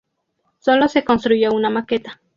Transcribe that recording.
Sólo se construyó una maqueta.